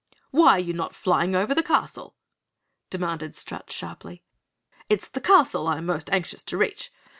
"Why are you not flying over the castle?" demanded Strut sharply. "It's the castle I am most anxious to reach.